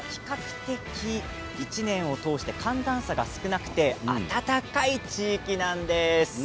１年を通して比較的寒暖差が少なくて暖かい地域なんです。